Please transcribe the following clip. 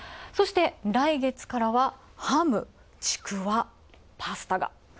そして来月からはハム、ちくわ、パスタが。